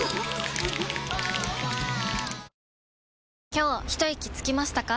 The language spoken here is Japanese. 今日ひといきつきましたか？